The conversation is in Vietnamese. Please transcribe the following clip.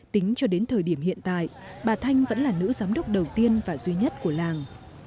tính cho đến thời điểm hiện tại bà thanh vẫn là nữ giám đốc đầu tiên và duy nhất của làng